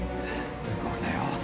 動くなよ。